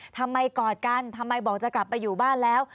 กอดกันทำไมบอกจะกลับไปอยู่บ้านแล้ว